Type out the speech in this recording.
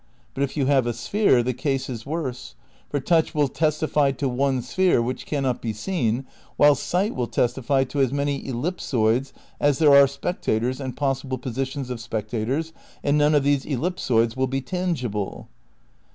But if you have a sphere the case is worse ; for touch will testify to one sphere which can not be seen, while sight will testify to as many ellipsoids as there are spectators and possible positions of spec tators, and none of these ellipsoids will be tangible.